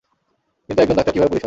কিন্তু একজন ডাক্তার কীভাবে পুলিশ হয়?